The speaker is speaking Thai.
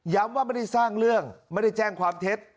ว่าไม่ได้สร้างเรื่องไม่ได้แจ้งความเท็จ